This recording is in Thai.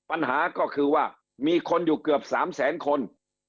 รวมอยู่เกือบ๓แสนคน